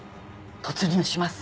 突入します。